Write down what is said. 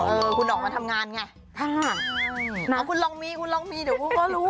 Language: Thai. เออคุณออกมาทำงานไงคุณลองมีเดี๋ยวพวก่อนก็รู้